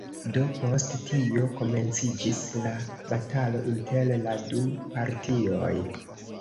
Do post tio komenciĝis la batalo inter la du partioj.